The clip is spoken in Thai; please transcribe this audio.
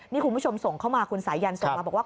นี่คุณผู้ชมส่งเข้ามาคุณสายันส่งมาบอกว่า